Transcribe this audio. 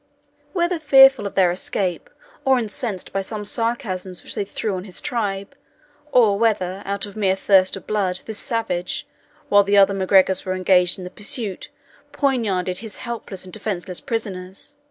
Whether fearful of their escape, or incensed by some sarcasms which they threw on his tribe, or whether out of mere thirst of blood, this savage, while the other MacGregors were engaged in the pursuit, poniarded his helpless and defenceless prisoners.